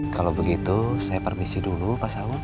kalau begitu saya permisi dulu pak saud